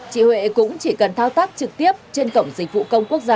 chị huệ cũng chỉ cần thao tác trực tiếp trên cổng dịch vụ công quốc gia